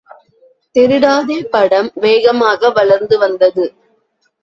திருடாதே படம் வேகமாக வளர்ந்து வந்தது.